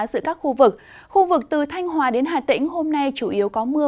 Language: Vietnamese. giữa các khu vực khu vực từ thanh hòa đến hà tĩnh hôm nay chủ yếu có mưa